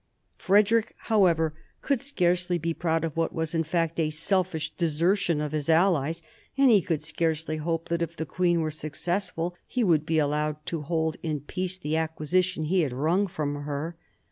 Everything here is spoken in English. Frederick, however, could scarcely 20 MARIA THERESA chap, i be proud of what was in fact a selfish desertion of his allies, and he could scarcely hope that if* the queen were successful, he would be allowed to hold in peace the acquisition he had wrung from her.